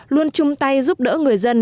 luôn chung tay giúp đỡ người dân